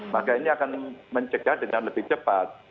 makanya akan mencegah dengan lebih cepat